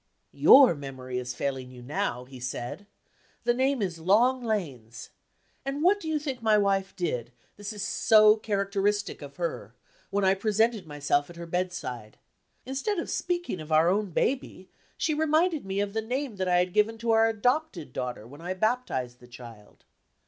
"Your memory is failing you now," he said. "The name is Long Lanes. And what do you think my wife did this is so characteristic of her! when I presented myself at her bedside. Instead of speaking of our own baby, she reminded me of the name that I had given to our adopted daughter when I baptized the child.